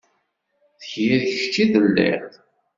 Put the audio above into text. D yir kečč i telliḍ.